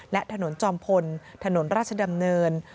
และถนนจอมพลถนนราชดำเนิน